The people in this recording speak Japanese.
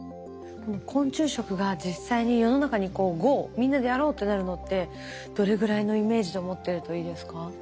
昆虫食が実際に世の中にゴーみんなでやろうってなるのってどれぐらいのイメージで思ってるといいですか？